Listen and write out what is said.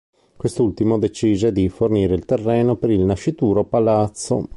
Quest'ultimo decise di fornire il terreno per il nascituro palazzo.